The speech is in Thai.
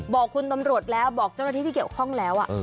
บอกคุณตำรวจแล้วบอกเจ้าหน้าที่ที่เกี่ยวข้องแล้ว